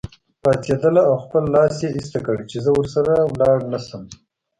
پاڅېدله او خپل لاس یې ایسته کړ چې زه ورسره ولاړ نه شم.